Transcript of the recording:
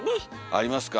ありますか？